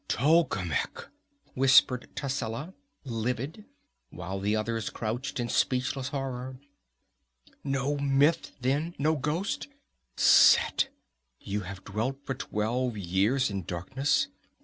"Tolkemec!" whispered Tascela, livid, while the others crouched in speechless horror. "No myth, then, no ghost! Set! You have dwelt for twelve years in darkness!